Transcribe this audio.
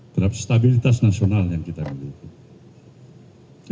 terhadap stabilitas nasional yang kita miliki